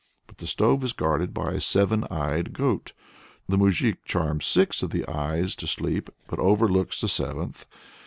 But the stove is guarded by a seven eyed goat; the moujik charms six of the eyes to sleep, but overlooks the seventh.